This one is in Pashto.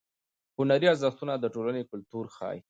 هنري ارزښتونه د ټولنې کلتور ښیي.